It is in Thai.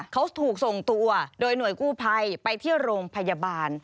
เขาถูกส่งตัวโดยหน่วยกู้ภัยไปที่โรงพยาบาล